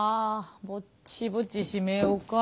ぼちぼち閉めようかと。